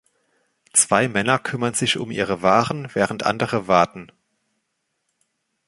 Zwei Männer kümmern sich um ihre Waren, während andere warten.